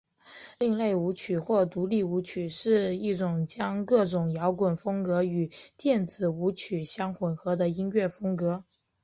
另类舞曲或独立舞曲是一种将各种摇滚风格与电子舞曲相混合的音乐风格。